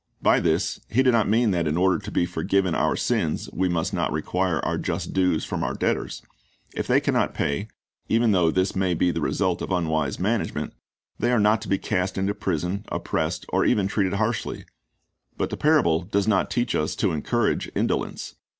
"^ By this He did not mean that in order to be forgiven our sins we must not require our just dues from our debtors. If they can not pay, even though this may be the result of unwise management, they are not to be cast into prison, oppressed, or even treated harshly; but the parable does not teach us to encourage indolence.